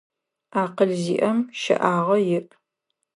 Акъыл зиӏэм щэӏагъэ иӏ.